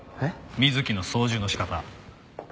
水木の操縦の仕方。